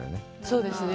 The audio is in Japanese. そうですね。